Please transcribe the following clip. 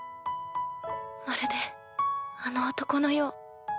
まるであの男のよう。